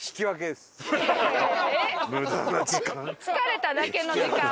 疲れただけの時間。